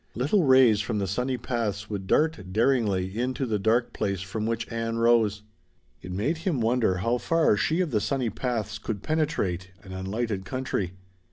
Little rays from the sunny paths would dart daringly in to the dark place from which Ann rose. It made him wonder how far she of the sunny paths could penetrate an unlighted country.